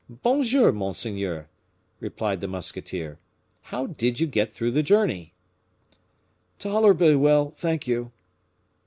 "Bon jour! monseigneur," replied the musketeer; "how did you get through the journey?" "Tolerably well, thank you."